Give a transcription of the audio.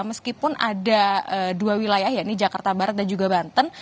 meskipun ada dua wilayah ya ini jakarta barat dan juga banten